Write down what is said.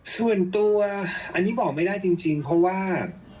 ส่วนตัวอันนี้บอกไม่ได้จริงเพราะว่า